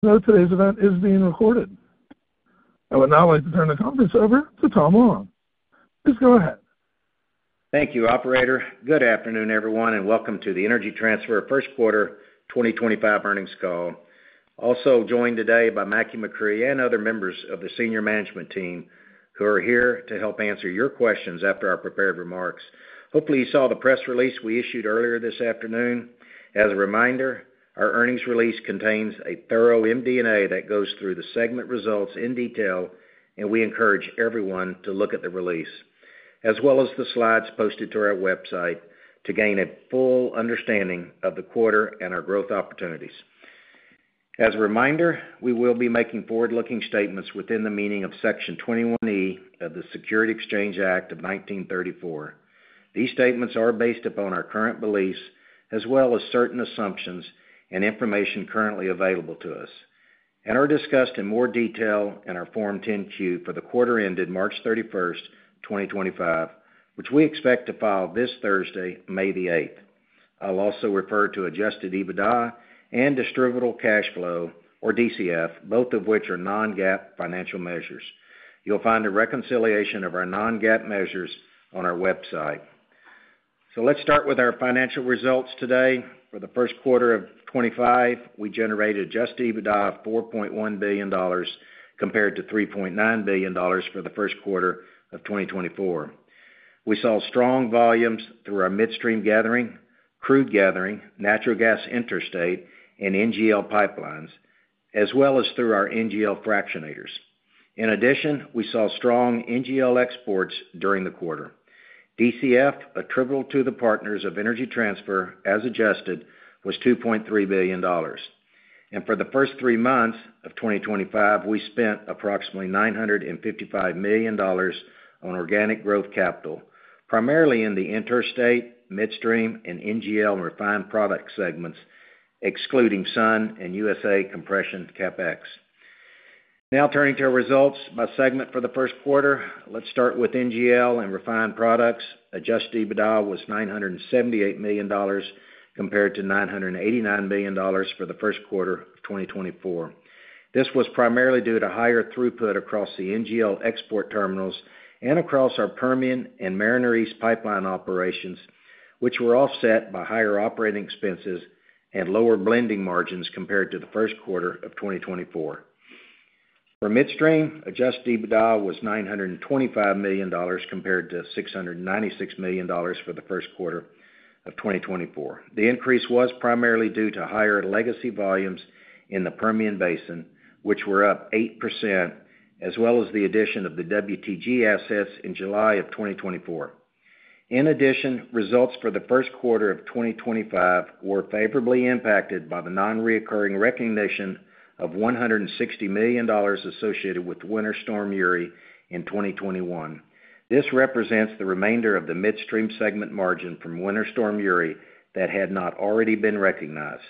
Noted today's event is being recorded. I would now like to turn the conference over to Tom Long. Please go ahead. Thank you, Operator. Good afternoon, everyone, and welcome to the Energy Transfer first quarter 2025 earnings call. Also joined today by Mackie McCrea and other members of the senior management team who are here to help answer your questions after our prepared remarks. Hopefully, you saw the press release we issued earlier this afternoon. As a reminder, our earnings release contains a thorough MD&A that goes through the segment results in detail, and we encourage everyone to look at the release, as well as the slides posted to our website, to gain a full understanding of the quarter and our growth opportunities. As a reminder, we will be making forward-looking statements within the meaning of Section 21E of the Securities Exchange Act of 1934. These statements are based upon our current beliefs, as well as certain assumptions and information currently available to us, and are discussed in more detail in our Form 10-Q for the quarter ended March 31st, 2025, which we expect to file this Thursday, May 8th. I'll also refer to adjusted EBITDA and Distributable Cash Flow, or DCF, both of which are non-GAAP financial measures. You'll find a reconciliation of our non-GAAP measures on our website. Let's start with our financial results today. For the first quarter of 2025, we generated adjusted EBITDA of $4.1 billion compared to $3.9 billion for the first quarter of 2024. We saw strong volumes through our midstream gathering, crude gathering, natural gas interstate, and NGL Pipelines, as well as through our NGL Fractionators. In addition, we saw strong NGL exports during the quarter. DCF, attributable to the partners of Energy Transfer as adjusted, was $2.3 billion. For the first three months of 2025, we spent approximately $955 million on organic growth capital, primarily in the interstate, midstream, and NGL and refined product segments, excluding SUN and USA Compression CapEx. Now turning to our results by segment for the first quarter, let's start with NGL and refined products. Adjusted EBITDA was $978 million compared to $989 million for the first quarter of 2024. This was primarily due to higher throughput across the NGL export terminals and across our Permian and Mariner East pipeline operations, which were offset by higher operating expenses and lower blending margins compared to the first quarter of 2024. For midstream, adjusted EBITDA was $925 million compared to $696 million for the first quarter of 2024. The increase was primarily due to higher legacy volumes in the Permian Basin, which were up 8%, as well as the addition of the WTG assets in July of 2024. In addition, results for the first quarter of 2025 were favorably impacted by the non-recurring recognition of $160 million associated with Winter Storm Uri in 2021. This represents the remainder of the midstream segment margin from Winter Storm Uri that had not already been recognized.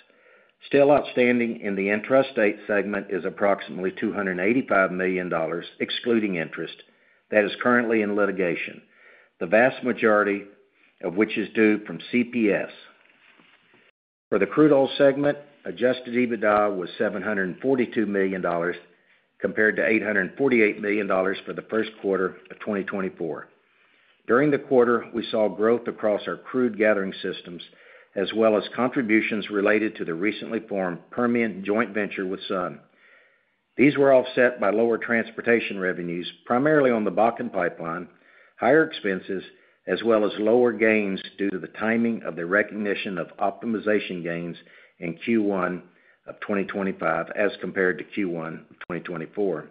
Still outstanding in the interstate segment is approximately $285 million, excluding interest, that is currently in litigation, the vast majority of which is due from CPS. For the crude oil segment, adjusted EBITDA was $742 million compared to $848 million for the first quarter of 2024. During the quarter, we saw growth across our crude gathering systems, as well as contributions related to the recently formed Permian joint venture with Sunoco. These were offset by lower transportation revenues, primarily on the Bakken Pipeline, higher expenses, as well as lower gains due to the timing of the recognition of optimization gains in Q1 of 2025 as compared to Q1 of 2024.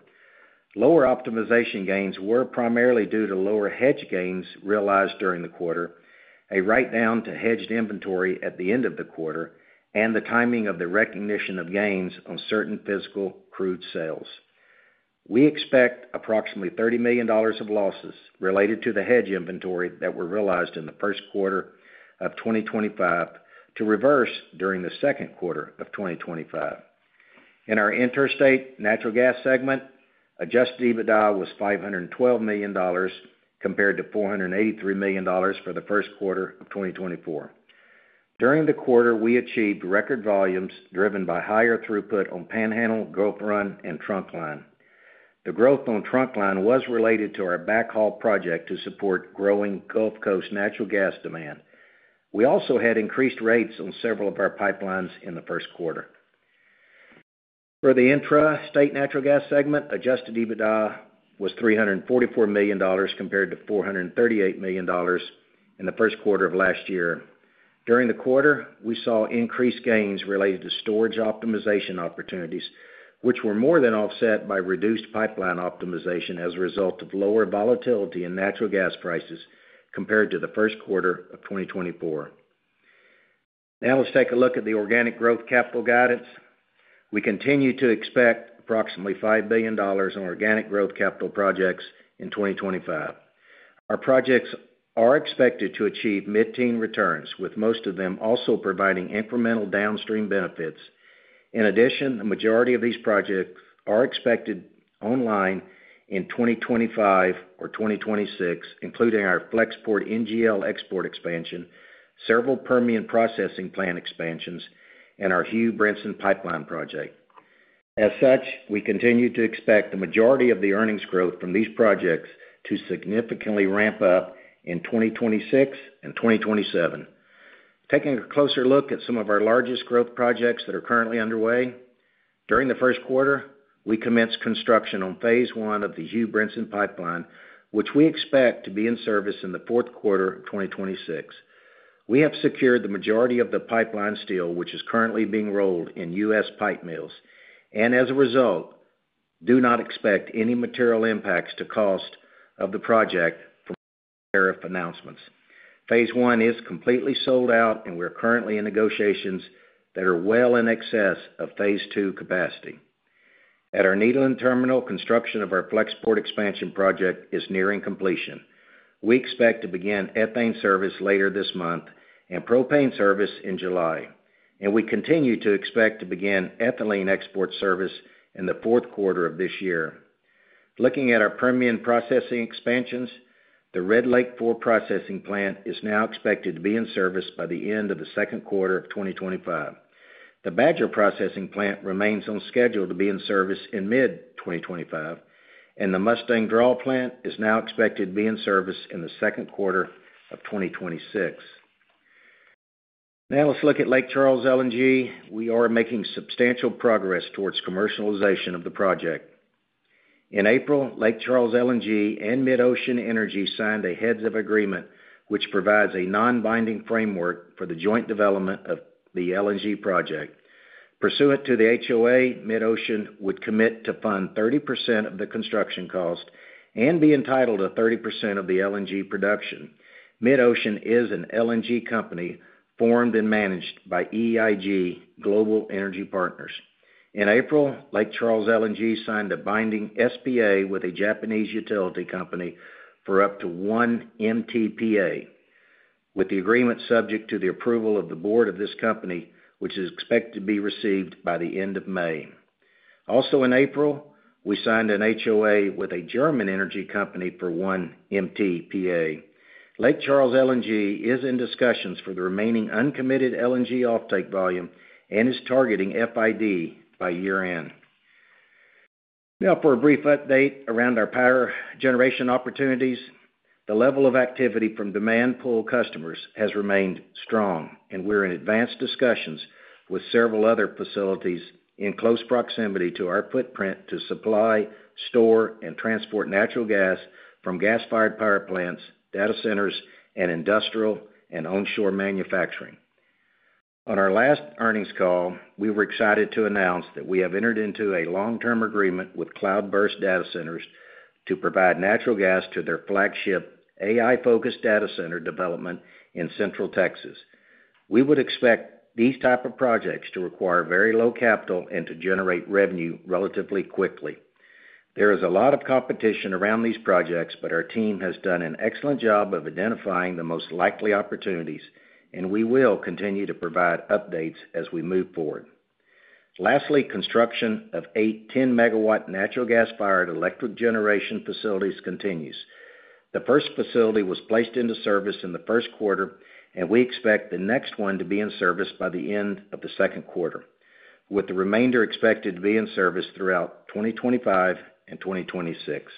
Lower optimization gains were primarily due to lower hedge gains realized during the quarter, a write-down to hedged inventory at the end of the quarter, and the timing of the recognition of gains on certain physical crude sales. We expect approximately $30 million of losses related to the hedge inventory that were realized in the first quarter of 2025 to reverse during the second quarter of 2025. In our interstate natural gas segment, adjusted EBITDA was $512 million compared to $483 million for the first quarter of 2024. During the quarter, we achieved record volumes driven by higher throughput on Panhandle, Gulf Run, and Trunkline. The growth on Trunkline was related to our backhaul project to support growing Gulf Coast natural gas demand. We also had increased rates on several of our pipelines in the first quarter. For the intrastate natural gas segment, adjusted EBITDA was $344 million compared to $438 million in the first quarter of last year. During the quarter, we saw increased gains related to storage optimization opportunities, which were more than offset by reduced pipeline optimization as a result of lower volatility in natural gas prices compared to the first quarter of 2024. Now let's take a look at the organic growth capital guidance. We continue to expect approximately $5 billion on organic growth capital projects in 2025. Our projects are expected to achieve mid-teen returns, with most of them also providing incremental downstream benefits. In addition, the majority of these projects are expected online in 2025 or 2026, including our Flexport NGL export expansion, several Permian processing plant expansions, and our Hugh Brinson Pipeline Project. As such, we continue to expect the majority of the earnings growth from these projects to significantly ramp up in 2026 and 2027. Taking a closer look at some of our largest growth projects that are currently underway, during the first quarter, we commenced construction on phase one of the Hugh Brinson Pipeline, which we expect to be in service in the fourth quarter of 2026. We have secured the majority of the pipeline steel, which is currently being rolled in U.S. pipe mills, and as a result, do not expect any material impacts to cost of the project from tariff announcements. Phase I is completely sold out, and we're currently in negotiations that are well in excess of phase II capacity. At our Nederland Terminal, construction of our Flexport expansion project is nearing completion. We expect to begin ethane service later this month and propane service in July, and we continue to expect to begin ethylene export service in the fourth quarter of this year. Looking at our Permian processing expansions, the Red Lake IV Processing Plant is now expected to be in service by the end of the second quarter of 2025. The Badger Processing Plant remains on schedule to be in service in mid-2025, and the Mustang Draw Plant is now expected to be in service in the second quarter of 2026. Now let's look at Lake Charles LNG. We are making substantial progress towards commercialization of the project. In April, Lake Charles LNG and MidOcean Energy signed a heads-of agreement, which provides a non-binding framework for the joint development of the LNG project. Pursuant to the HOA, MidOcean would commit to fund 30% of the construction cost and be entitled to 30% of the LNG production. MidOcean is an LNG company formed and managed by EIG Global Energy Partners. In April, Lake Charles LNG signed a binding SPA with a Japanese utility company for up to one MTPA, with the agreement subject to the approval of the board of this company, which is expected to be received by the end of May. Also in April, we signed an HOA with a German energy company for one MTPA. Lake Charles LNG is in discussions for the remaining uncommitted LNG offtake volume and is targeting FID by year-end. Now for a brief update around our power generation opportunities, the level of activity from demand pool customers has remained strong, and we're in advanced discussions with several other facilities in close proximity to our footprint to supply, store, and transport natural gas from gas-fired power plants, data centers, and industrial and onshore manufacturing. On our last earnings call, we were excited to announce that we have entered into a long-term agreement with Cloudburst Data Centers to provide natural gas to their flagship AI-focused data center development in Central Texas. We would expect these types of projects to require very low capital and to generate revenue relatively quickly. There is a lot of competition around these projects, but our team has done an excellent job of identifying the most likely opportunities, and we will continue to provide updates as we move forward. Lastly, construction of 18 MW natural gas-fired electric generation facilities continues. The first facility was placed into service in the first quarter, and we expect the next one to be in service by the end of the second quarter, with the remainder expected to be in service throughout 2025 and 2026.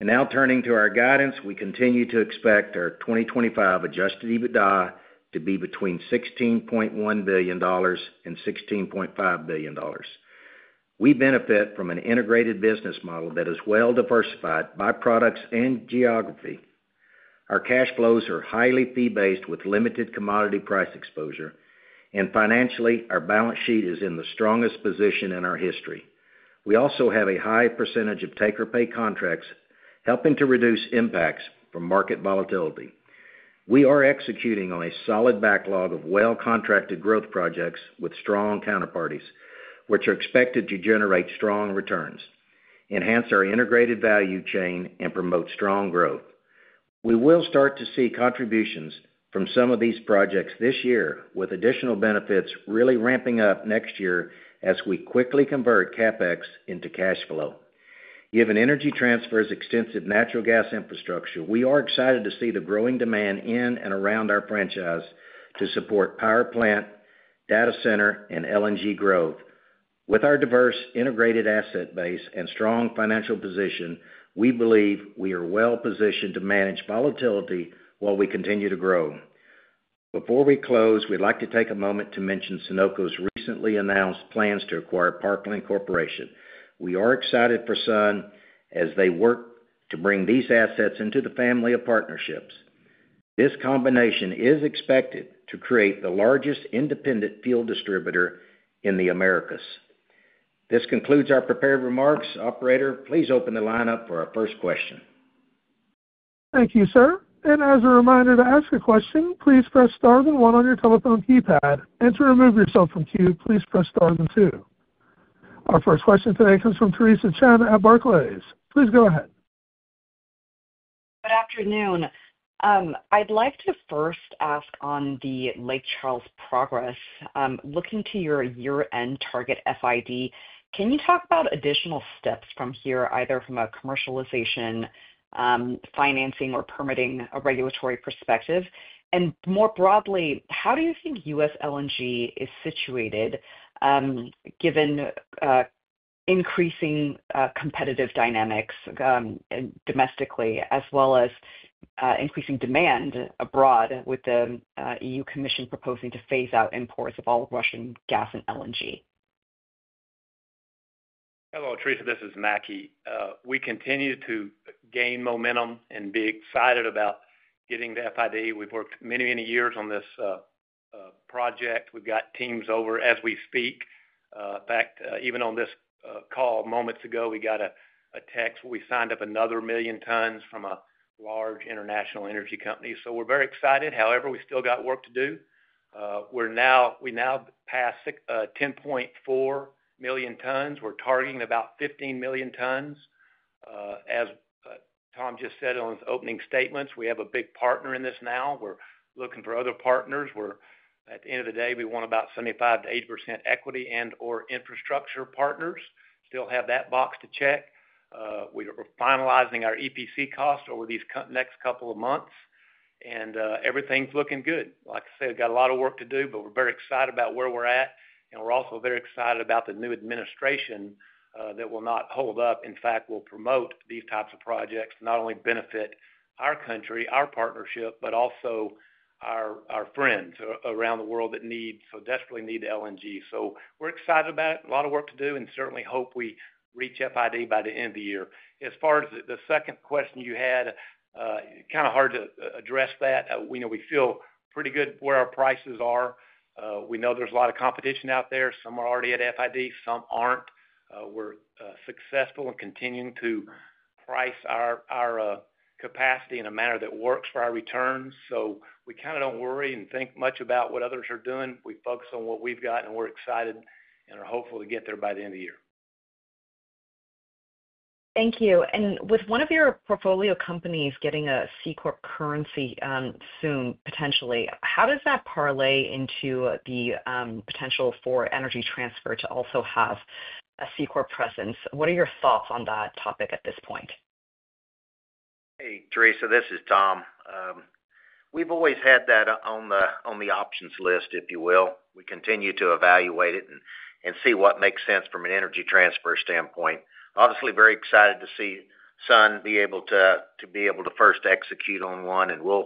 Now turning to our guidance, we continue to expect our 2025 adjusted EBITDA to be between $16.1 billion and $16.5 billion. We benefit from an integrated business model that is well diversified by products and geography. Our cash flows are highly fee-based with limited commodity price exposure, and financially, our balance sheet is in the strongest position in our history. We also have a high percentage of take-or-pay contracts, helping to reduce impacts from market volatility. We are executing on a solid backlog of well-contracted growth projects with strong counterparties, which are expected to generate strong returns, enhance our integrated value chain, and promote strong growth. We will start to see contributions from some of these projects this year, with additional benefits really ramping up next year as we quickly convert CapEx into cash flow. Given Energy Transfer's extensive natural gas infrastructure, we are excited to see the growing demand in and around our franchise to support power plant, data center, and LNG growth. With our diverse integrated asset base and strong financial position, we believe we are well positioned to manage volatility while we continue to grow. Before we close, we'd like to take a moment to mention Sunoco's recently announced plans to acquire Parkland Corporation. We are excited for Sun as they work to bring these assets into the family of partnerships. This combination is expected to create the largest independent field distributor in the Americas. This concludes our prepared remarks. Operator, please open the lineup for our first question. Thank you, sir. As a reminder to ask a question, please press star then one on your telephone keypad. To remove yourself from queue, please press star then two. Our first question today comes from Theresa Chen at Barclays. Please go ahead. Good afternoon. I'd like to first ask on the Lake Charles progress. Looking to your year-end target FID, can you talk about additional steps from here, either from a commercialization, financing, or permitting regulatory perspective? More broadly, how do you think U.S. LNG is situated given increasing competitive dynamics domestically, as well as increasing demand abroad, with the EU Commission proposing to phase out imports of all Russian gas and LNG? Hello, Theresa. This is Mackie. We continue to gain momentum and be excited about getting the FID. We've worked many, many years on this project. We've got teams over as we speak. In fact, even on this call moments ago, we got a text where we signed up another million tons from a large international energy company. We are very excited. However, we still got work to do. We now passed 10.4 million tons. We're targeting about 15 million tons. As Tom just said in his opening statements, we have a big partner in this now. We're looking for other partners. At the end of the day, we want about 75%-80% equity and/or infrastructure partners. Still have that box to check. We're finalizing our EPC cost over these next couple of months. Everything's looking good. Like I said, we've got a lot of work to do, but we're very excited about where we're at. We're also very excited about the new administration that will not hold up. In fact, will promote these types of projects to not only benefit our country, our partnership, but also our friends around the world that desperately need the LNG. We're excited about it. A lot of work to do, and certainly hope we reach FID by the end of the year. As far as the second question you had, kind of hard to address that. We feel pretty good where our prices are. We know there's a lot of competition out there. Some are already at FID. Some aren't. We're successful in continuing to price our capacity in a manner that works for our returns. We kind of do not worry and think much about what others are doing. We focus on what we have got, and we are excited and are hopeful to get there by the end of the year. Thank you. With one of your portfolio companies getting a C corp currency soon, potentially, how does that parlay into the potential for Energy Transfer to also have a C corp presence? What are your thoughts on that topic at this point? Hey, Theresa. This is Tom. We have always had that on the options list, if you will. We continue to evaluate it and see what makes sense from an Energy Transfer standpoint. Obviously, very excited to see Sun be able to first execute on one, and we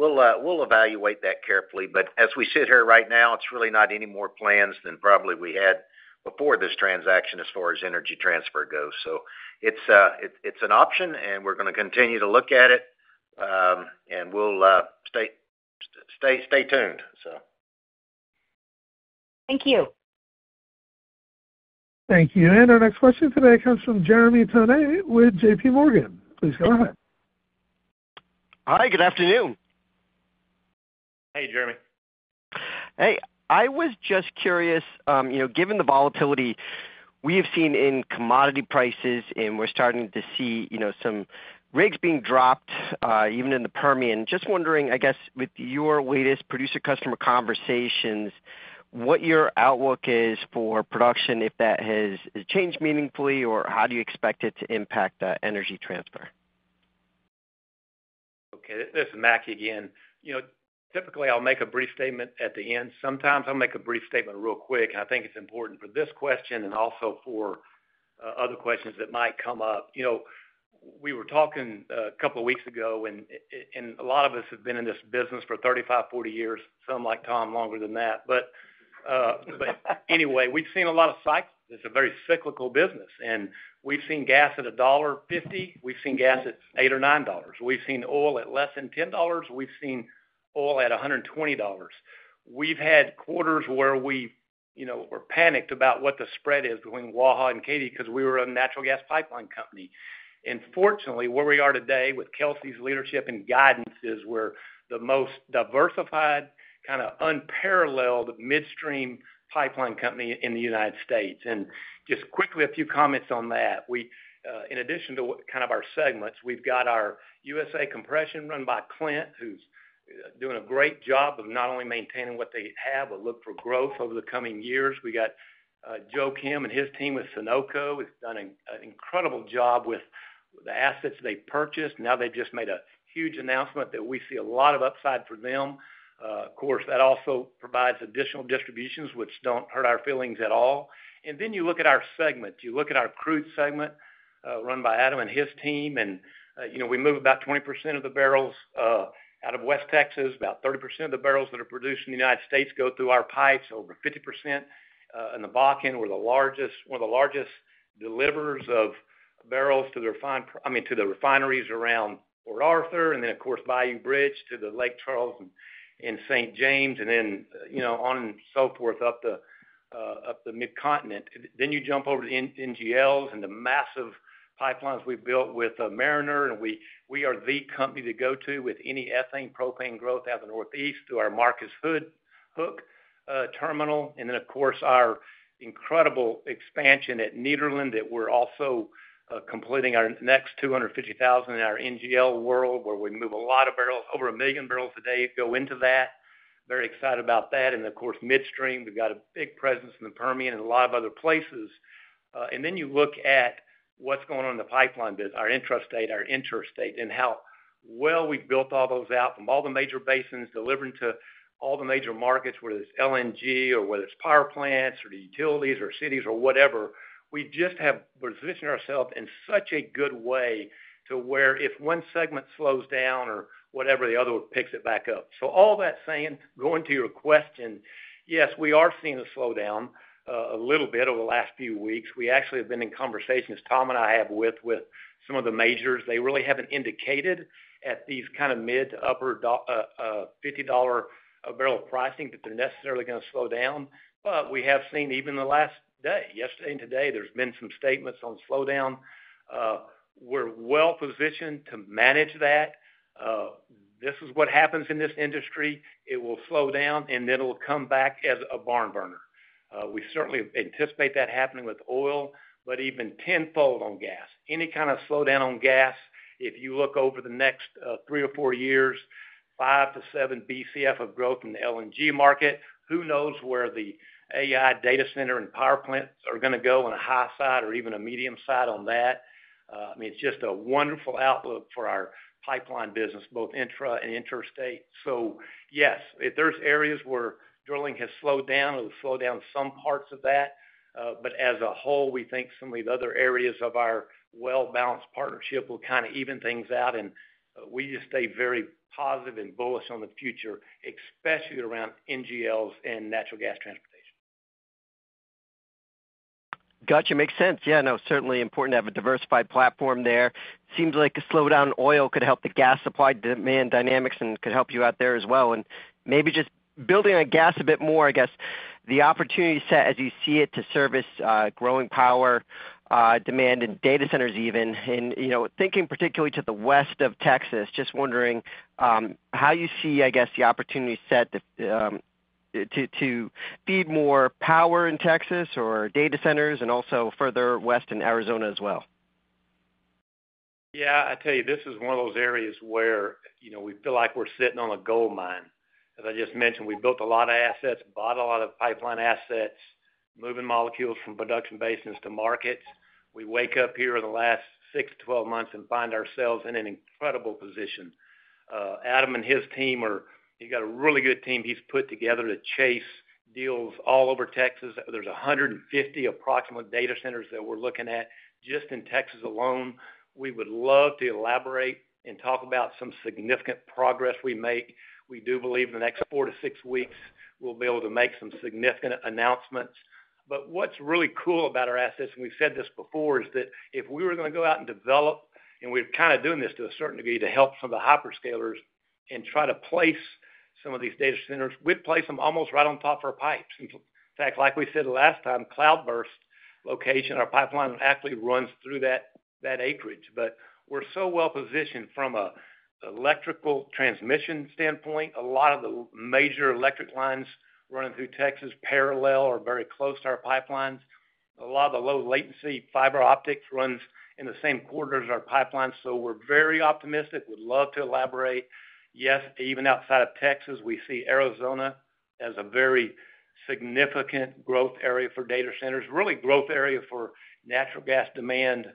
will evaluate that carefully. As we sit here right now, it's really not any more plans than probably we had before this transaction as far as Energy Transfer goes. It's an option, and we're going to continue to look at it, and we'll stay tuned. Thank you. Thank you. Our next question today comes from Jeremy Tonnet with JPMorgan. Please go ahead. Hi. Good afternoon. Hey, Jeremy. Hey. I was just curious, given the volatility we have seen in commodity prices, and we're starting to see some rigs being dropped even in the Permian. Just wondering, I guess, with your latest producer-customer conversations, what your outlook is for production, if that has changed meaningfully, or how do you expect it to impact Energy Transfer? Okay. This is Mackie again. Typically, I'll make a brief statement at the end. Sometimes I'll make a brief statement real quick, and I think it's important for this question and also for other questions that might come up. We were talking a couple of weeks ago, and a lot of us have been in this business for 35 years, 40 years, some like Tom longer than that. Anyway, we've seen a lot of cycles. It's a very cyclical business. We've seen gas at $1.50. We've seen gas at $8 or $9. We've seen oil at less than $10. We've seen oil at $120. We've had quarters where we were panicked about what the spread is between Waha and Katy because we were a natural gas pipeline company. Fortunately, where we are today with Kelcy's leadership and guidance is we're the most diversified, kind of unparalleled midstream pipeline company in the United States. Just quickly, a few comments on that. In addition to kind of our segments, we've got our USA Compression run by Clint, who's doing a great job of not only maintaining what they have, but look for growth over the coming years. We got Joe Kim and his team with Sunoco. He's done an incredible job with the assets they purchased. Now they've just made a huge announcement that we see a lot of upside for them. Of course, that also provides additional distributions, which don't hurt our feelings at all. You look at our segment. You look at our Crude Segment run by Adam and his team. We move about 20% of the barrels out of West Texas. About 30% of the barrels that are produced in the United States go through our pipes. Over 50% in the Bakken. We're one of the largest deliverers of barrels to the refineries around Port Arthur. Of course, Bayou Bridge to Lake Charles and St. James, and then on and so forth up the mid-continent. You jump over to the NGLs and the massive pipelines we have built with Mariner. We are the company to go to with any ethane propane growth out of the Northeast through our Marcus Hook Terminal. Of course, our incredible expansion at Nederland that we are also completing, our next 250,000 in our NGL world, where we move a lot of barrels, over a million barrels a day go into that. Very excited about that. Of course, midstream, we have a big presence in the Permian and a lot of other places. You look at what's going on in the pipeline business, our intrastate, our interstate, and how well we've built all those out from all the major basins delivering to all the major markets, whether it's LNG or whether it's power plants or the utilities or cities or whatever. We just have positioned ourselves in such a good way to where if one segment slows down or whatever, the other picks it back up. All that saying, going to your question, yes, we are seeing a slowdown a little bit over the last few weeks. We actually have been in conversations, Tom and I have with some of the majors. They really haven't indicated at these kind of mid to upper $50 a barrel pricing that they're necessarily going to slow down. We have seen even the last day, yesterday and today, there's been some statements on slowdown. We are well positioned to manage that. This is what happens in this industry. It will slow down, and then it will come back as a barn burner. We certainly anticipate that happening with oil, but even tenfold on gas. Any kind of slowdown on gas, if you look over the next three or four years, five to seven BCF of growth in the LNG market, who knows where the AI data center and power plants are going to go on a high side or even a medium side on that. I mean, it's just a wonderful outlook for our pipeline business, both intra and interstate. Yes, if there are areas where drilling has slowed down, it will slow down some parts of that. As a whole, we think some of the other areas of our well-balanced partnership will kind of even things out. We just stay very positive and bullish on the future, especially around NGLs and natural gas transportation. Gotcha. Makes sense. Yeah. No, certainly important to have a diversified platform there. Seems like a slowdown in oil could help the gas supply demand dynamics and could help you out there as well. Maybe just building on gas a bit more, I guess, the opportunity set as you see it to service growing power demand and data centers even. Thinking particularly to the west of Texas, just wondering how you see, I guess, the opportunity set to feed more power in Texas or data centers and also further west in Arizona as well. Yeah. I tell you, this is one of those areas where we feel like we're sitting on a gold mine. As I just mentioned, we built a lot of assets, bought a lot of pipeline assets, moving molecules from production basins to markets. We wake up here in the last 6 months to 12 months and find ourselves in an incredible position. Adam and his team are—he's got a really good team he's put together to chase deals all over Texas. There's 150 approximate data centers that we're looking at just in Texas alone. We would love to elaborate and talk about some significant progress we make. We do believe in the next four to six weeks, we'll be able to make some significant announcements. What's really cool about our assets, and we've said this before, is that if we were going to go out and develop, and we're kind of doing this to a certain degree to help some of the hyperscalers and try to place some of these data centers, we'd place them almost right on top of our pipes. In fact, like we said last time, Cloudburst location, our pipeline actually runs through that acreage. We're so well positioned from an electrical transmission standpoint. A lot of the major electric lines running through Texas parallel or very close to our pipelines. A lot of the low-latency fiber optics runs in the same corridors as our pipelines. We're very optimistic. We'd love to elaborate. Yes, even outside of Texas, we see Arizona as a very significant growth area for data centers, really growth area for natural gas demand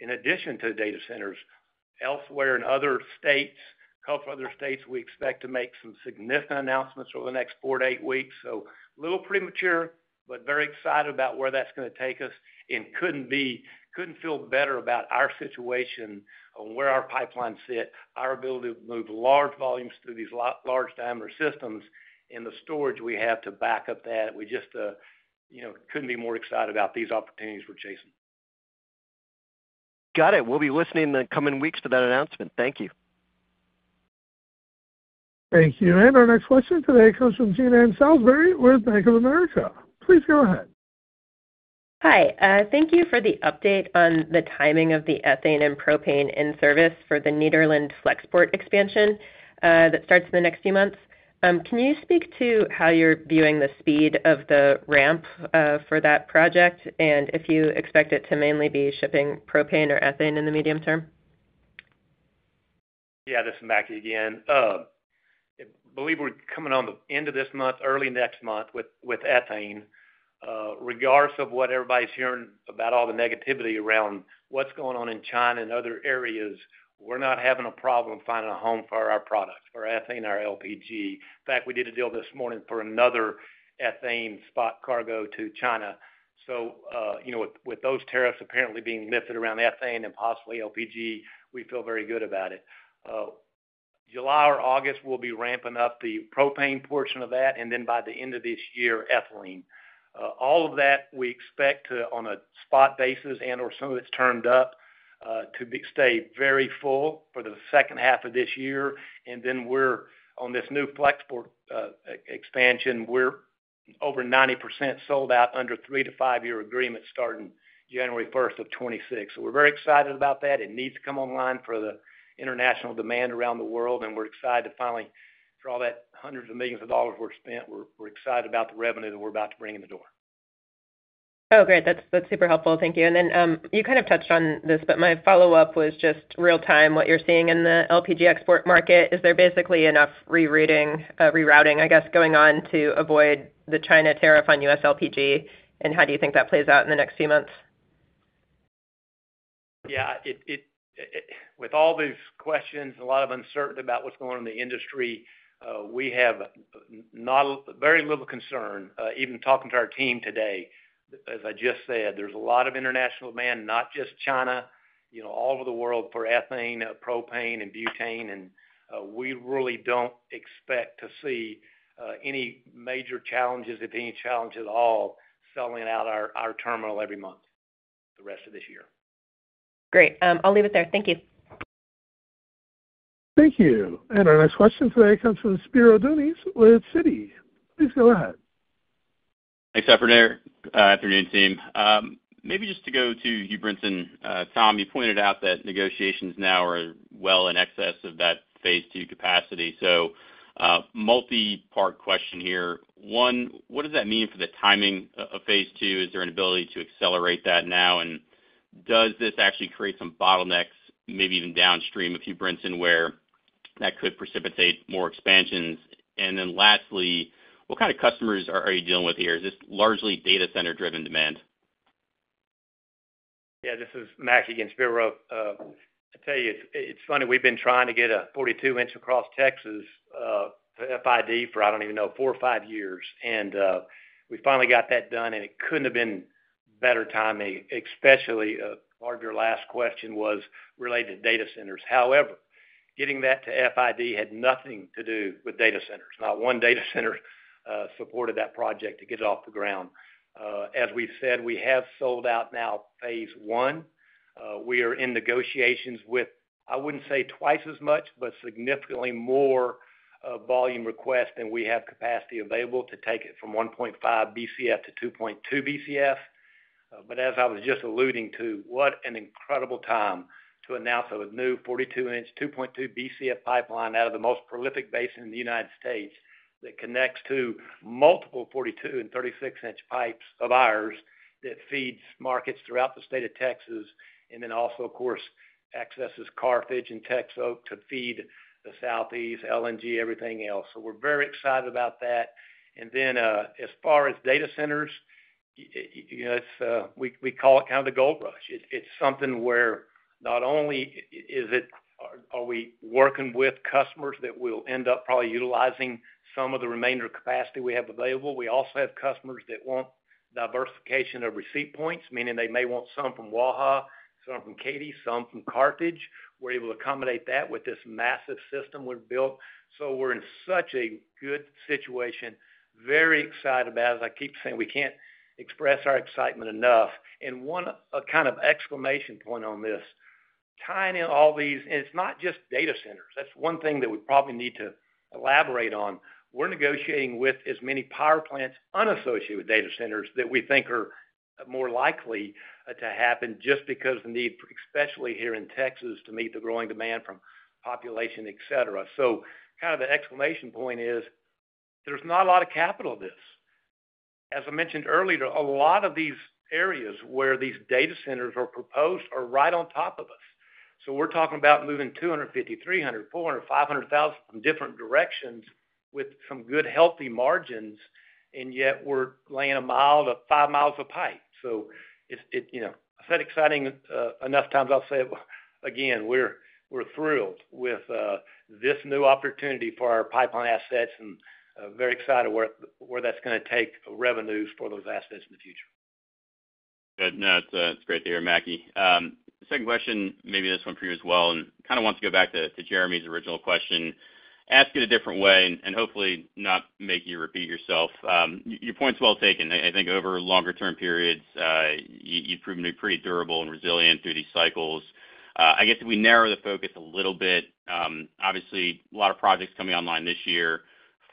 in addition to data centers. Elsewhere in other states, a couple of other states, we expect to make some significant announcements over the next four to eight weeks. It is a little premature, but very excited about where that's going to take us. I could not feel better about our situation on where our pipelines sit, our ability to move large volumes through these large diameter systems, and the storage we have to back up that. We just could not be more excited about these opportunities we are chasing. Got it. We will be listening in the coming weeks to that announcement. Thank you. Thank you. Our next question today comes from Jean Ann Salisbury with Bank of America. Please go ahead. Hi. Thank you for the update on the timing of the ethane and propane in service for the Nederland Flexport expansion that starts in the next few months. Can you speak to how you're viewing the speed of the ramp for that project and if you expect it to mainly be shipping propane or ethane in the medium term? Yeah. This is Mackie again. I believe we're coming on the end of this month, early next month with ethane. Regardless of what everybody's hearing about all the negativity around what's going on in China and other areas, we're not having a problem finding a home for our product, our ethane or LPG. In fact, we did a deal this morning for another ethane spot cargo to China. With those tariffs apparently being lifted around ethane and possibly LPG, we feel very good about it. July or August, we'll be ramping up the propane portion of that. By the end of this year, ethylene. All of that, we expect on a spot basis and/or some of it's turned up to stay very full for the second half of this year. On this new Flexport expansion, we're over 90% sold out under three- to five year agreements starting January 1st, 2026. We're very excited about that. It needs to come online for the international demand around the world. We're excited to finally, for all that hundreds of millions of dollars we've spent, we're excited about the revenue that we're about to bring in the door. Oh, great. That's super helpful. Thank you. You kind of touched on this, but my follow-up was just real-time what you're seeing in the LPG export market. Is there basically enough rerouting, I guess, going on to avoid the China tariff on U.S. LPG? How do you think that plays out in the next few months? Yeah. With all these questions and a lot of uncertainty about what's going on in the industry, we have very little concern, even talking to our team today. As I just said, there's a lot of international demand, not just China, all over the world for ethane, propane, and butane. We really don't expect to see any major challenges, if any challenge at all, selling out our terminal every month the rest of this year. Great. I'll leave it there. Thank you. Thank you. Our next question today comes from Spiro Dounis with Citi. Please go ahead. Thanks, Effron. Afternoon, team. Maybe just to go to you, Hugh Brinson. Tom, you pointed out that negotiations now are well in excess of that phase two capacity. Multi-part question here. One, what does that mean for the timing of phase two? Is there an ability to accelerate that now? Does this actually create some bottlenecks, maybe even downstream of Hugh Brinson, where that could precipitate more expansions? Lastly, what kind of customers are you dealing with here? Is this largely data center-driven demand? Yeah. This is Mackie again, Spiro. I tell you, it's funny. We've been trying to get a 42-inch across Texas to FID for, I don't even know, four or five years. We finally got that done. It couldn't have been better timing, especially part of your last question was related to data centers. However, getting that to FID had nothing to do with data centers. Not one data center supported that project to get it off the ground. As we've said, we have sold out now phase one. We are in negotiations with, I wouldn't say twice as much, but significantly more volume request than we have capacity available to take it from 1.5 BCF - 2.2 BCF. As I was just alluding to, what an incredible time to announce a new 42-inch, 2.2 BCF pipeline out of the most prolific basin in the United States that connects to multiple 42 and 36-inch pipes of ours that feeds markets throughout the state of Texas and then also, of course, accesses Carthage and Texo to feed the Southeast, LNG, everything else. We are very excited about that. As far as data centers, we call it kind of the gold rush. It's something where not only are we working with customers that will end up probably utilizing some of the remainder capacity we have available, we also have customers that want diversification of receipt points, meaning they may want some from Waha, some from Katy, some from Carthage. We are able to accommodate that with this massive system we have built. We are in such a good situation, very excited about it. As I keep saying, we cannot express our excitement enough. One kind of exclamation point on this, tying in all these, and it is not just data centers. That is one thing that we probably need to elaborate on. We are negotiating with as many power plants unassociated with data centers that we think are more likely to happen just because of the need, especially here in Texas, to meet the growing demand from population, etc. Kind of the exclamation point is there's not a lot of capital of this. As I mentioned earlier, a lot of these areas where these data centers are proposed are right on top of us. We're talking about moving 250,000, 300,000, 400,000, 500,000 from different directions with some good healthy margins, and yet we're laying 1 mi - 5 mi of pipe. I said exciting enough times. I'll say it again. We're thrilled with this new opportunity for our pipeline assets and very excited where that's going to take revenues for those assets in the future. Good. No, it's great to hear, Mackie. Second question, maybe this one for you as well. Kind of want to go back to Jeremy's original question, ask it a different way and hopefully not make you repeat yourself. Your point's well taken. I think over longer-term periods, you've proven to be pretty durable and resilient through these cycles. I guess if we narrow the focus a little bit, obviously, a lot of projects coming online this year,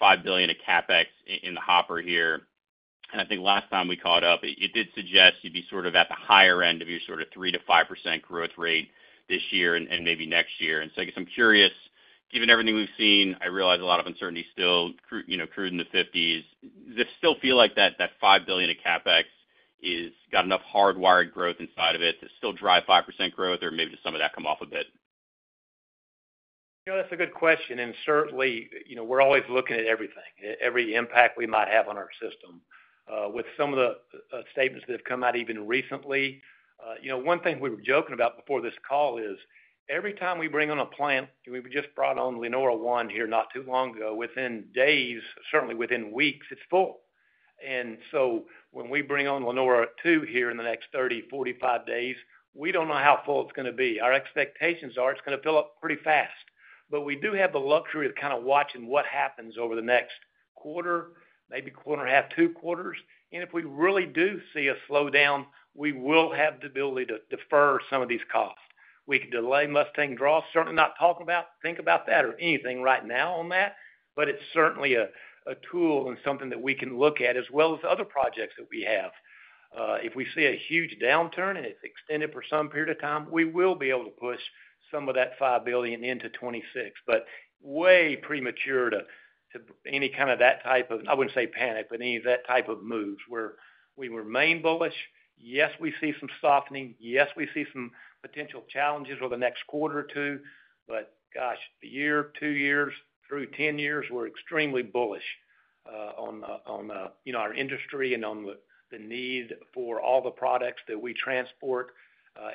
$5 billion of CapEx in the hopper here. I think last time we caught up, it did suggest you'd be sort of at the higher end of your sort of 3%-5% growth rate this year and maybe next year. I guess I'm curious, given everything we've seen, I realize a lot of uncertainty, still crude in the $50s. Does it still feel like that $5 billion of CapEx has got enough hardwired growth inside of it to still drive 5% growth, or maybe does some of that come off a bit? That's a good question. Certainly, we're always looking at everything, every impact we might have on our system. With some of the statements that have come out even recently, one thing we were joking about before this call is every time we bring on a plant, we just brought on Lenora I here not too long ago. Within days, certainly within weeks, it's full. When we bring on Lenora II here in the next 30 days-45 days, we don't know how full it's going to be. Our expectations are it's going to fill up pretty fast. We do have the luxury of kind of watching what happens over the next quarter, maybe quarter and a half, two quarters. If we really do see a slowdown, we will have the ability to defer some of these costs. We can delay Mustang Draw, certainly not talking about, think about that or anything right now on that. It is certainly a tool and something that we can look at as well as other projects that we have. If we see a huge downturn and it is extended for some period of time, we will be able to push some of that $5 billion into 2026. Way premature to any kind of that type of, I would not say panic, but any of that type of moves where we remain bullish. Yes, we see some softening. Yes, we see some potential challenges over the next quarter or two. Gosh, a year, two years, through 10 years, we are extremely bullish on our industry and on the need for all the products that we transport.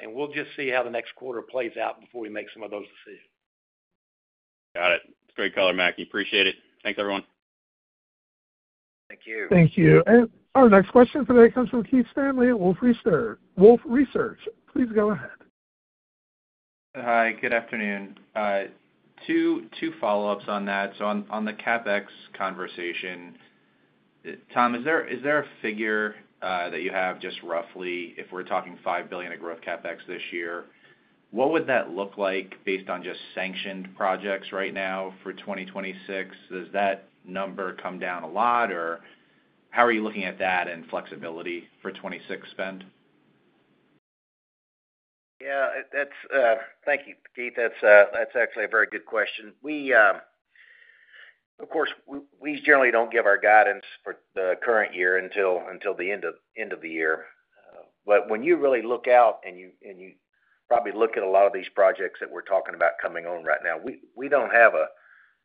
We'll just see how the next quarter plays out before we make some of those decisions. Got it. It's great color, Mackie. Appreciate it. Thanks, everyone. Thank you. Thank you. Our next question today comes from Keith Stanley, Wolfe Research. Please go ahead. Hi. Good afternoon. Two follow-ups on that. On the CapEx conversation, Tom, is there a figure that you have just roughly if we're talking $5 billion of growth CapEx this year, what would that look like based on just sanctioned projects right now for 2026? Does that number come down a lot, or how are you looking at that and flexibility for 2026 spend? Yeah. Thank you, Keith. That's actually a very good question. Of course, we generally don't give our guidance for the current year until the end of the year. When you really look out and you probably look at a lot of these projects that we're talking about coming on right now, we don't have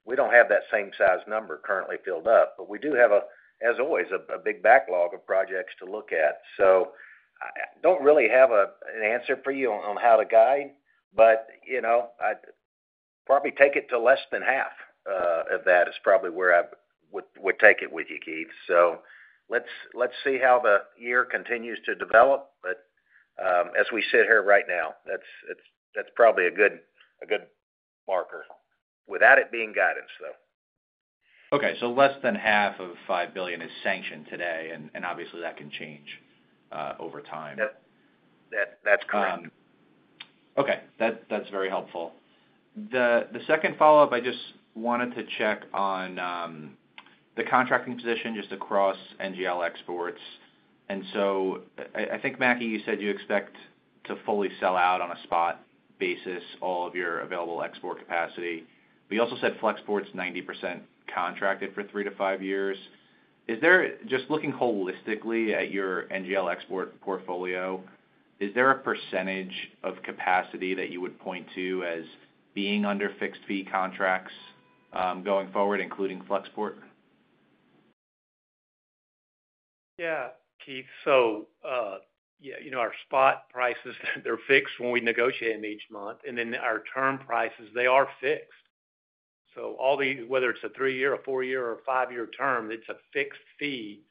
that same size number currently filled up. We do have, as always, a big backlog of projects to look at. I don't really have an answer for you on how to guide, but I'd probably take it to less than half of that is probably where I would take it with you, Keith. Let's see how the year continues to develop. As we sit here right now, that's probably a good marker without it being guidance, though. Okay. Less than half of $5 billion is sanctioned today. Obviously, that can change over time. That's correct. Okay. That's very helpful. The second follow-up, I just wanted to check on the contracting position just across NGL exports. I think, Mackie, you said you expect to fully sell out on a spot basis all of your available export capacity. You also said Flexport's 90% contracted for three to five years. Just looking holistically at your NGL export portfolio, is there a percentage of capacity that you would point to as being under fixed fee contracts going forward, including Flexport? Yeah, Keith. Our spot prices, they're fixed when we negotiate them each month. Our term prices, they are fixed. Whether it's a three-year, a four-year, or a five-year term, it's a fixed fee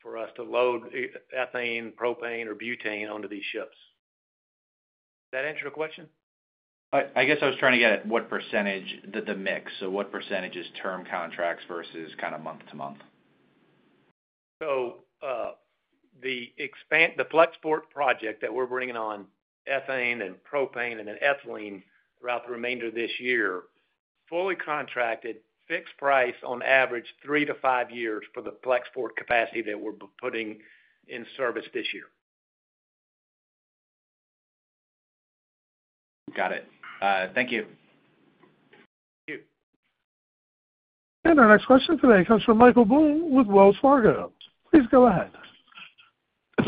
for us to load ethane, propane, or butane onto these ships. Does that answer your question? I guess I was trying to get at what percentage the mix. What percentage is term contracts versus kind of month-to-month? The Flexport project that we're bringing on ethane and propane and then ethylene throughout the remainder of this year, fully contracted, fixed price on average three to five years for the Flexport capacity that we're putting in service this year. Got it. Thank you. Thank you. Our next question today comes from Michael Blum with Wells Fargo. Please go ahead.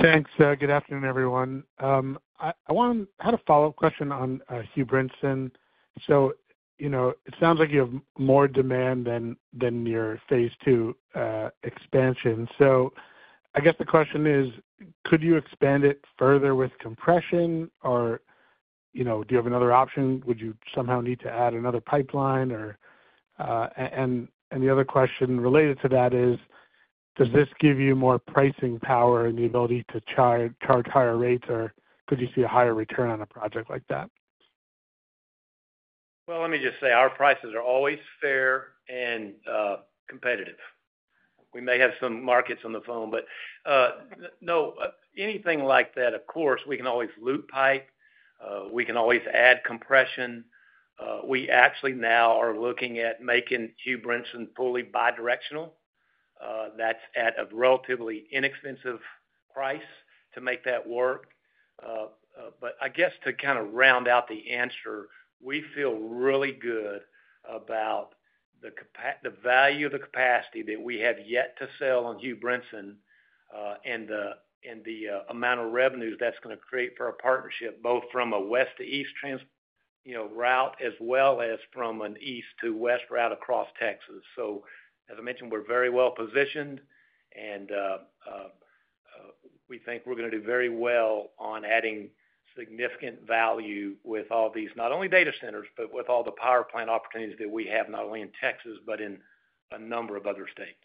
Thanks. Good afternoon, everyone. I had a follow-up question on Hugh Brinson. It sounds like you have more demand than your phase two expansion. I guess the question is, could you expand it further with compression, or do you have another option? Would you somehow need to add another pipeline? The other question related to that is, does this give you more pricing power and the ability to charge higher rates, or could you see a higher return on a project like that? Let me just say our prices are always fair and competitive. We may have some markets on the phone, but no, anything like that, of course, we can always loop pipe. We can always add compression. We actually now are looking at making Hugh Brinson fully bidirectional. That is at a relatively inexpensive price to make that work. I guess to kind of round out the answer, we feel really good about the value of the capacity that we have yet to sell on Hugh Brinson and the amount of revenues that is going to create for our partnership, both from a west to east route as well as from an east to west route across Texas. As I mentioned, we're very well positioned, and we think we're going to do very well on adding significant value with all these, not only data centers, but with all the power plant opportunities that we have, not only in Texas but in a number of other states.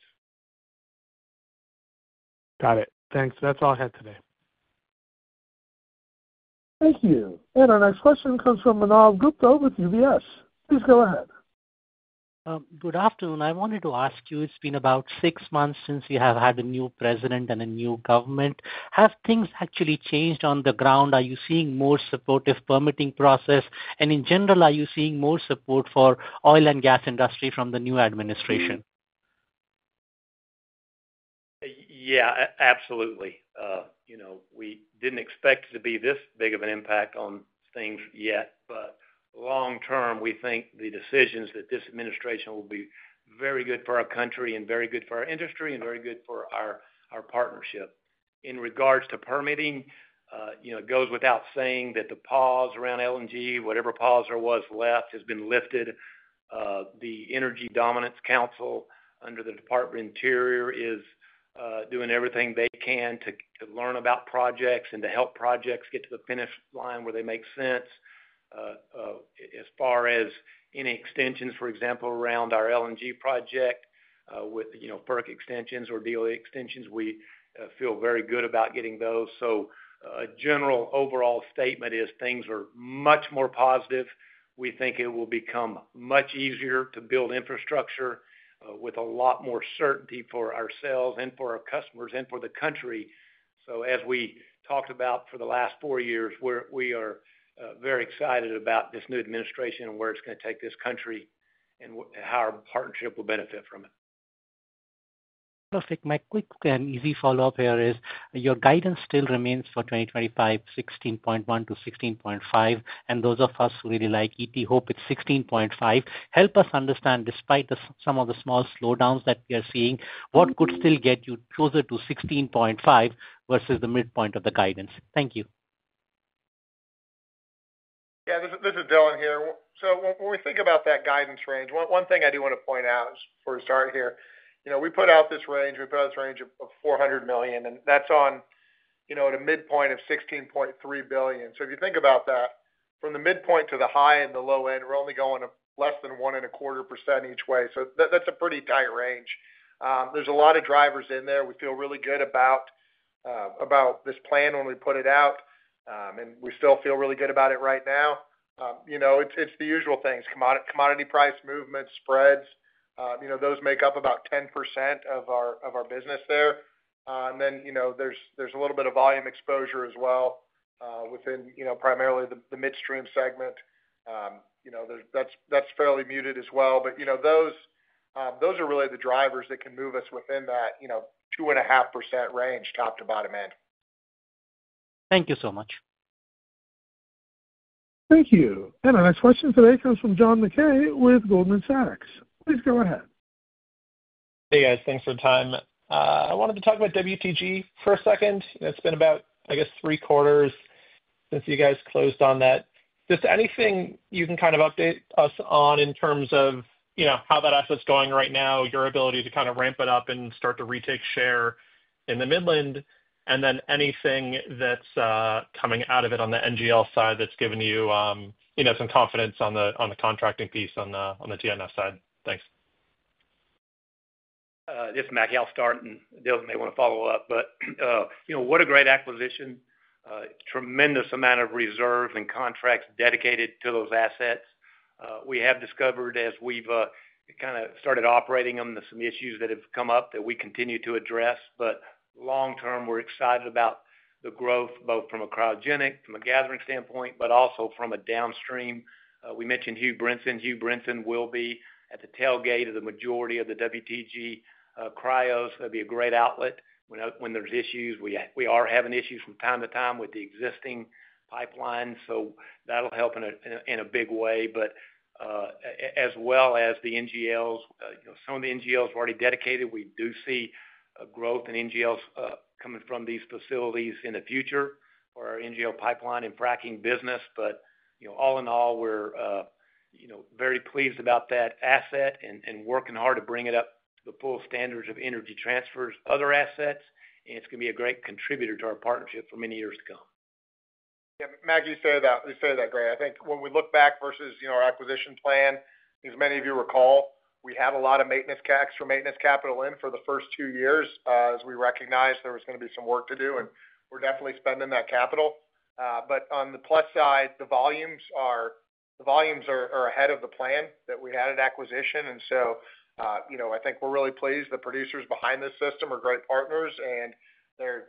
Got it. Thanks. That's all I had today. Thank you. Our next question comes from Manav Gupta with UBS. Please go ahead. Good afternoon. I wanted to ask you, it's been about six months since you have had a new president and a new government. Have things actually changed on the ground? Are you seeing more supportive permitting process? In general, are you seeing more support for oil and gas industry from the new administration? Yeah, absolutely. We didn't expect it to be this big of an impact on things yet, but long term, we think the decisions that this administration will be very good for our country and very good for our industry and very good for our partnership. In regards to permitting, it goes without saying that the pause around LNG, whatever pause there was left, has been lifted. The Energy Dominance Council under the Department of Interior is doing everything they can to learn about projects and to help projects get to the finish line where they make sense. As far as any extensions, for example, around our LNG project with PERC extensions or DOE extensions, we feel very good about getting those. A general overall statement is things are much more positive. We think it will become much easier to build infrastructure with a lot more certainty for ourselves and for our customers and for the country. As we talked about for the last four years, we are very excited about this new administration and where it's going to take this country and how our partnership will benefit from it. Perfect. My quick and easy follow-up here is your guidance still remains for 2025, $16.1 billion-$16.5 billion. And those of us who really like ET hope it's $16.5 billion. Help us understand, despite some of the small slowdowns that we are seeing, what could still get you closer to $16.5 billion versus the midpoint of the guidance. Thank you. Yeah, this is Dylan here. When we think about that guidance range, one thing I do want to point out for a start here, we put out this range. We put out this range of $400 million, and that's on a midpoint of $16.3 billion. If you think about that, from the midpoint to the high and the low end, we're only going less than 1.25% each way. That's a pretty tight range. There are a lot of drivers in there. We feel really good about this plan when we put it out, and we still feel really good about it right now. It's the usual things: commodity price movements, spreads. Those make up about 10% of our business there. There is a little bit of volume exposure as well within primarily the midstream segment. That's fairly muted as well. Those are really the drivers that can move us within that 2.5% range, top to bottom end. Thank you so much. Thank you. Our next question today comes from John Mackay with Goldman Sachs.Please go ahead. Hey, guys. Thanks for the time. I wanted to talk about WTG for a second. It's been about, I guess, three quarters since you guys closed on that. Just anything you can kind of update us on in terms of how that asset's going right now, your ability to kind of ramp it up and start to retake share in the Midland, and then anything that's coming out of it on the NGL side that's given you some confidence on the contracting piece on the TNF side. Thanks. This is Mackie McCrea. Dylan may want to follow up, but what a great acquisition. Tremendous amount of reserves and contracts dedicated to those assets. We have discovered, as we've kind of started operating them, some issues that have come up that we continue to address. Long term, we're excited about the growth, both from a cryogenic, from a gathering standpoint, but also from a downstream. We mentioned Hugh Brinson. Hugh Brinson will be at the tailgate of the majority of the WTG cryos. That'll be a great outlet. When there's issues, we are having issues from time to time with the existing pipeline. That'll help in a big way. As well as the NGLs, some of the NGLs are already dedicated. We do see a growth in NGLs coming from these facilities in the future for our NGL pipeline and fracking business. All in all, we're very pleased about that asset and working hard to bring it up to the full standards of Energy Transfer's other assets. It's going to be a great contributor to our partnership for many years to come. Yeah. Mackie, you say that. You say that great. I think when we look back versus our acquisition plan, as many of you recall, we had a lot of maintenance CapEx for maintenance capital in for the first two years as we recognized there was going to be some work to do. We are definitely spending that capital. On the plus side, the volumes are ahead of the plan that we had at acquisition. I think we are really pleased. The producers behind this system are great partners, and we are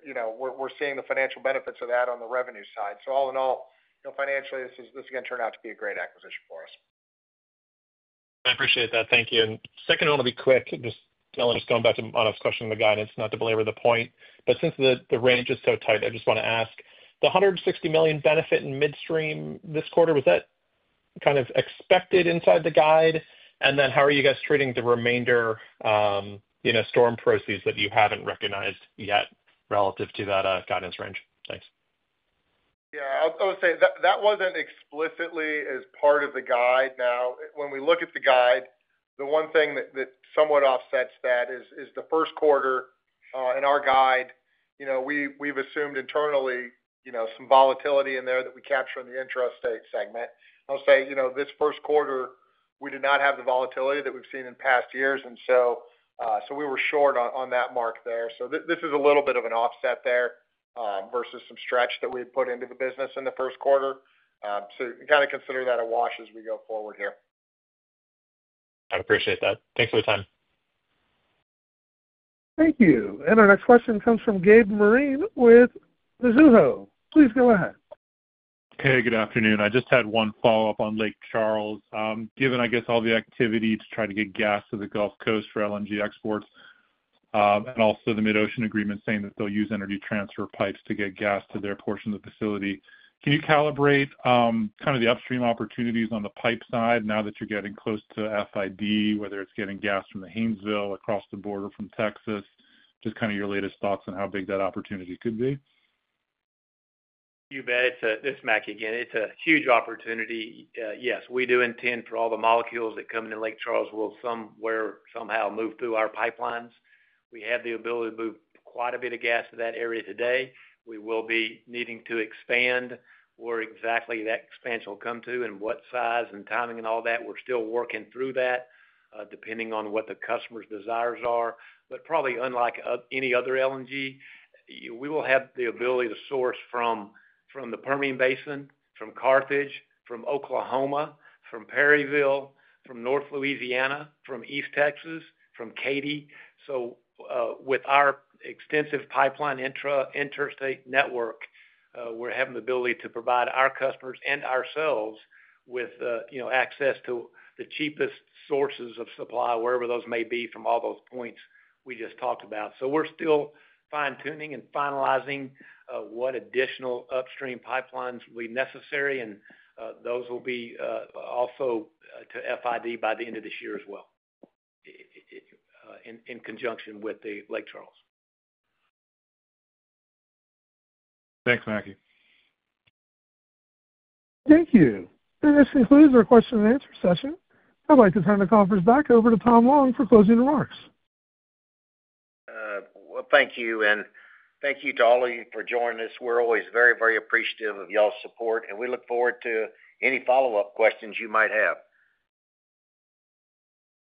seeing the financial benefits of that on the revenue side. All in all, financially, this is going to turn out to be a great acquisition for us. I appreciate that. Thank you. Second, I want to be quick. Dylan, going back to Manav's question on the guidance, not to belabor the point. Since the range is so tight, I just want to ask, the $160 million benefit in midstream this quarter, was that kind of expected inside the guide? And then how are you guys treating the remainder storm proceeds that you have not recognized yet relative to that guidance range? Thanks. Yeah. I would say that was not explicitly as part of the guide. Now, when we look at the guide, the one thing that somewhat offsets that is the first quarter in our guide, we have assumed internally some volatility in there that we capture in the interest rate segment. I will say this first quarter, we did not have the volatility that we have seen in past years. We were short on that mark there. This is a little bit of an offset there versus some stretch that we had put into the business in the first quarter. Kind of consider that a wash as we go forward here. I appreciate that. Thanks for the time. Thank you. Our next question comes from Gabe Moreen with Mizuho.Please go ahead. Hey, good afternoon. I just had one follow-up on Lake Charles. Given, I guess, all the activity to try to get gas to the Gulf Coast for LNG exports and also the MidOcean agreement saying that they'll use Energy Transfer pipes to get gas to their portion of the facility. Can you calibrate kind of the upstream opportunities on the pipe side now that you're getting close to FID, whether it's getting gas from the Haynesville, across the border from Texas? Just kind of your latest thoughts on how big that opportunity could be? You bet. It's Mackie again. It's a huge opportunity. Yes, we do intend for all the molecules that come into Lake Charles will somehow move through our pipelines. We have the ability to move quite a bit of gas to that area today. We will be needing to expand where exactly that expansion will come to and what size and timing and all that. We're still working through that depending on what the customer's desires are. Probably unlike any other LNG, we will have the ability to source from the Permian Basin, from Carthage, from Oklahoma, from Perryville, from North Louisiana, from East Texas, from Katy. With our extensive pipeline interstate network, we're having the ability to provide our customers and ourselves with access to the cheapest sources of supply, wherever those may be, from all those points we just talked about. We're still fine-tuning and finalizing what additional upstream pipelines will be necessary. Those will be also to FID by the end of this year as well, in conjunction with Lake Charles. Thanks, Mackie. Thank you. This concludes our question and answer session. I would like to turn the conference back over to Tom Long for closing remarks. Thank you. Thank you to all of you for joining us. We are always very, very appreciative of y'all's support, and we look forward to any follow-up questions you might have.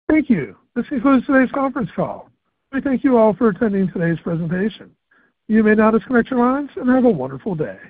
Thank you. This concludes today's conference call. We thank you all for attending today's presentation. You may now disconnect your lines and have a wonderful day.